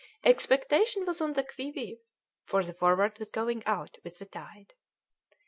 Expectation was on the qui vive, for the Forward was going out with the tide.